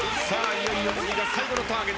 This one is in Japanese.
いよいよ次が最後のターゲット。